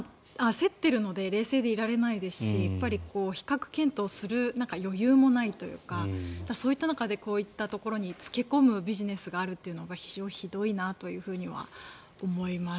焦っているので冷静でいられないですし比較検討する余裕もないというかそういった中でこういったところに付け込むビジネスがあるというのが非常にひどいなとは思います。